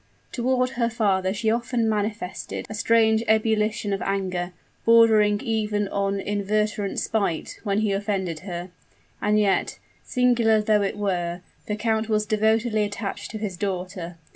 Toward her father she often manifested a strange ebullition of anger bordering even on inveterate spite, when he offended her: and yet, singular though it were, the count was devotedly attached to his daughter.